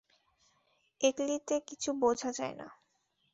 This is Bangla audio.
এক্লিতে কিছু বোঝা যায় না।